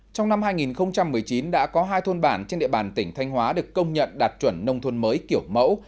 trong năm hai nghìn một mươi chín đã có hai thôn bản trên địa bàn tỉnh thanh hóa được công nhận đạt chuẩn nông thôn mới kiểu mẫu